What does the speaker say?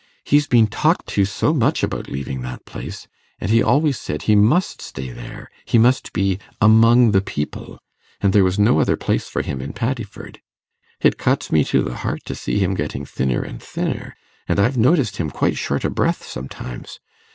He's been talked to so much about leaving that place; and he always said he must stay there he must be among the people, and there was no other place for him in Paddiford. It cuts me to the heart to see him getting thinner and thinner, and I've noticed him quite short o' breath sometimes.